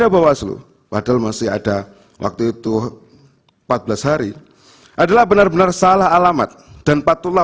bawaslu padahal masih ada waktu itu empat belas hari adalah benar benar salah alamat dan patut